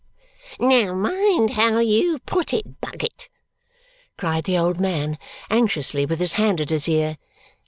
'" "Now, mind how you put it, Bucket," cried the old man anxiously with his hand at his ear.